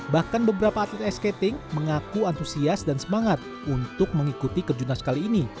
bahkan beberapa atlet ice skating mengaku antusias dan semangat untuk mengikuti kejunas kali ini